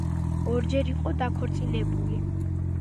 ორჯერ იყო დაქორწინებული.